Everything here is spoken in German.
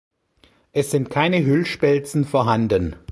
Es sind keine Hüllspelzen vorhanden.